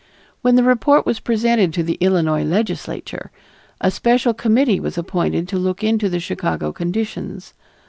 When the report was presented to the Illinois Legislature, a special committee was appointed to look into the Chicago conditions.